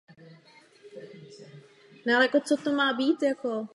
To Daphne naštve a společně se svojí matkou se vrátí do Spojených států.